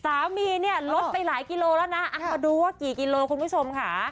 สามีเนี่ยลดไปหลายกิโลแล้วนะเอามาดูว่ากี่กิโลคุณผู้ชมค่ะ